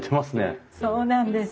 そうなんです。